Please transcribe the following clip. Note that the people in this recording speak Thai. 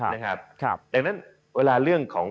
ดังนั้นเวลาเรื่องของ